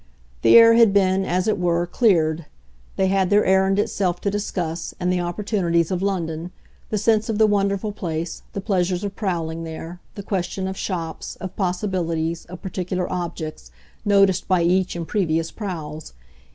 The air had been, as it were, cleared; they had their errand itself to discuss, and the opportunities of London, the sense of the wonderful place, the pleasures of prowling there, the question of shops, of possibilities, of particular objects, noticed by each in previous prowls.